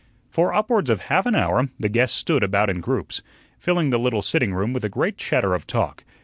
For upwards of half an hour the guests stood about in groups, filling the little sitting room with a great chatter of talk.